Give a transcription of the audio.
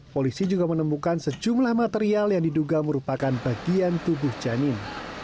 polisi juga menemukan sejumlah material yang diduga merupakan bagian tubuh janin